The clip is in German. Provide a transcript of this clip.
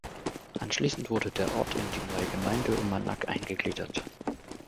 Anschließend wurde der Ort in die neue Gemeinde Uummannaq eingegliedert.